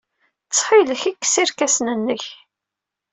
Ttxil-k, kkes irkasen-nnek.